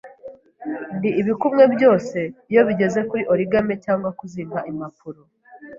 Ndi ibikumwe byose iyo bigeze kuri origami, cyangwa kuzinga impapuro.